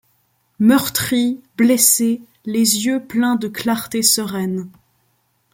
Meurtris, blessés, les yeux pleins de clartés sereines.